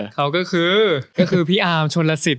เค้าก็คือครับ